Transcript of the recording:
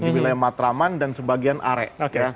di wilayah matraman dan sebagian arek